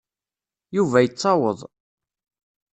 Yuba yettaweḍ.